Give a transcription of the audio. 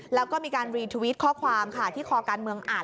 แล้วก็มีการรีทวิตข้อความค่ะที่คอการเมืองอ่าน